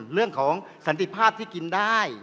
เรื่องของสันติภาพที่กินได้